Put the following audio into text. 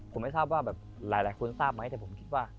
ผมไม่ทราบว่าแบบหลายคนทราบไหมแต่ผมคิดว่า